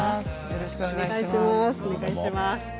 よろしくお願いします。